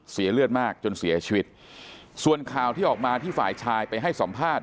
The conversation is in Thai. เสียเลือดมากจนเสียชีวิตส่วนข่าวที่ออกมาที่ฝ่ายชายไปให้สัมภาษณ์